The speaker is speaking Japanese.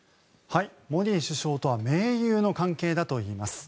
モディ首相とは盟友の関係だといいます。